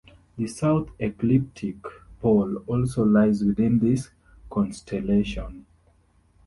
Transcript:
The South Ecliptic pole also lies within this constellation.